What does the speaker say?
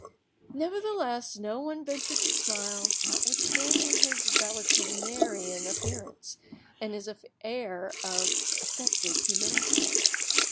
Nevertheless, no one ventured to smile, notwithstanding his valetudinarian appearance and his air of affected humility.